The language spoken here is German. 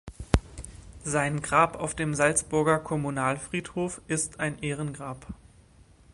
Sein Grab auf dem Salzburger Kommunalfriedhof ist ein Ehrengrab.